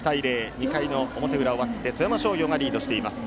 ２回の表裏終わって富山商業がリードしています。